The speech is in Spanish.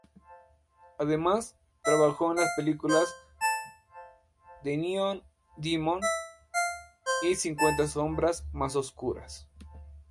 Además, trabajó en las películas "The Neon Demon" y "Cincuenta sombras más oscuras".